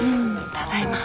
ただいま。